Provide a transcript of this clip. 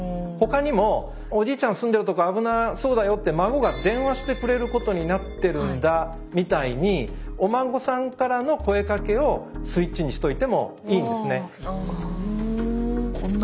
他にも「おじいちゃん住んでるとこ危なそうだよ」って孫が電話してくれることになってるんだみたいにお孫さんからの声かけをスイッチにしといてもいいんですね。